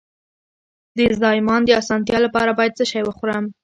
د زایمان د اسانتیا لپاره باید څه شی وخورم؟